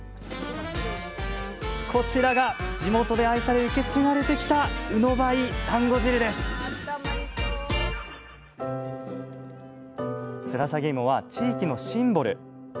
こちらが地元で愛され受け継がれてきたつらさげ芋は地域のシンボル。